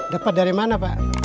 dapat dari mana pak